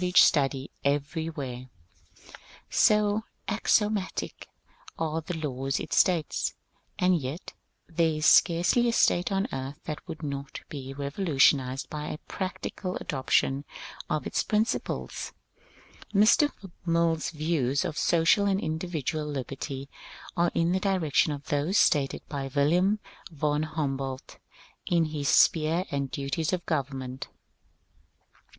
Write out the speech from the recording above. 390 MONCURE DANIEL CONWAY study everywhere, so axiomatic are the laws it states ; and yet there is scarcely a state on earth that would not be revolu tionized by a practical adoption of its principles. Mr. Mill's views of social and individual liberty are in the direction of those stated by Wilhelm von Humboldt in his ^^ Sphere and Duties of Government."